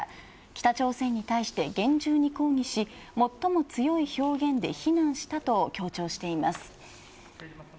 北朝鮮に対して厳重に抗議し最も強い表現で非難したと強調しています。